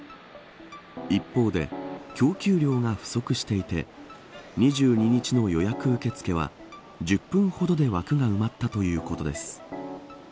一方で、供給量が不足していて２２日の予約受け付けは１０分ほどで枠が埋まったということです。